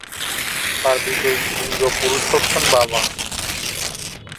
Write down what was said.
তার বিপরীত লিঙ্গ পুরুষ হচ্ছেন বাবা।